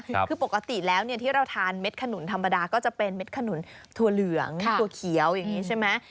คือปกติแล้วเนี่ยที่เราทานเม็ดขนุนธรรมดาก็จะเป็นเม็ดขนุนถั่วเหลืองถั่วเขียวอย่างนี้ใช่ไหม